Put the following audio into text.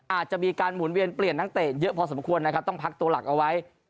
อาจจะมีการหมุนเวียนเปลี่ยนนักเตะเยอะพอสมควรนะครับต้องพักตัวหลักเอาไว้